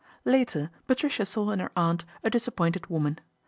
Later Patricia saw in her aunt a disappointed woman.